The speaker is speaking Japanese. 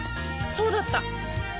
そうだった！